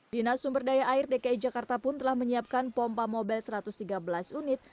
dinas sumber daya air dki jakarta pun telah menyiapkan pompa mobil satu ratus tiga belas unit